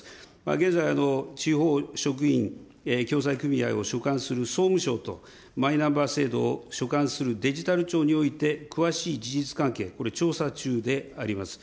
現在、地方職員共済組合を所管する総務省と、マイナンバー制度を所管するデジタル庁において、詳しい事実関係、これ調査中であります。